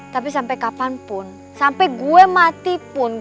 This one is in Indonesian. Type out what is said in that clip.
tapi sampai kapanpun sampai gue mati pun